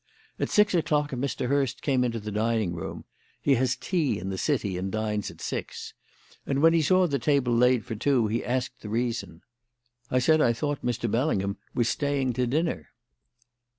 At six o'clock Mr. Hurst came into the dining room he has tea in the City and dines at six and when he saw the table laid for two he asked the reason. I said I thought Mr. Bellingham was staying to dinner.